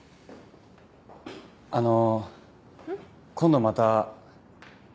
あの今度また。